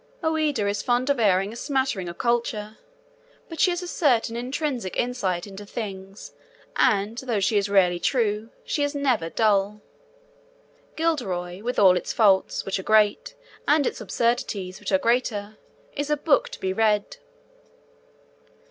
Ouida is fond of airing a smattering of culture, but she has a certain intrinsic insight into things and, though she is rarely true, she is never dull. Guilderoy, with all its faults, which are great, and its absurdities, which are greater, is a book to be read.